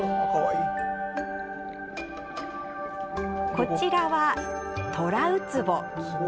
こちらはトラウツボ。